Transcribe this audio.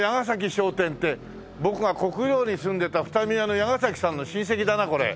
商店って僕が国領に住んでた二見屋の矢ヶさんの親戚だなこれ。